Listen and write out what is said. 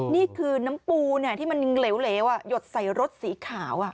นี่คือน้ำปูที่มันเหลวหยดใส่รถสีขาว